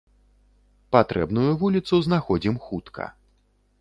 Патрэбную вуліцу знаходзім хутка.